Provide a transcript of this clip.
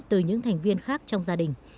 từ những thành viên khác trong gia đình